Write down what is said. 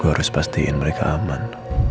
gue harus pastikan mereka aman